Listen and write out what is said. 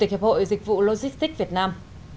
hội dịch vụ logistics việt nam